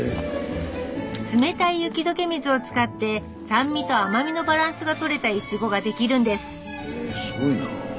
冷たい雪解け水を使って酸味と甘みのバランスが取れたイチゴができるんですへすごいな。